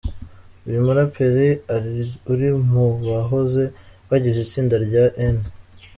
Uyu muraperi uri mu bahoze bagize itsinda rya N.